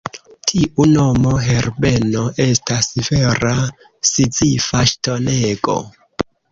Tiu nomo Herbeno estas vera Sizifa ŝtonego.